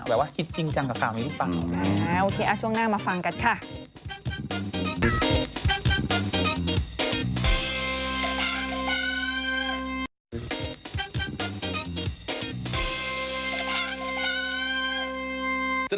แบบว่าคิดจริงจังกับข่าวนี้หรือเปล่า